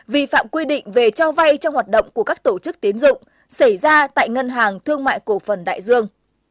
vi phạm quy định về cho vay trong hoạt động của các tổ chức tiến dụng xảy ra tại ngân hàng thương mại cổ phần đại dương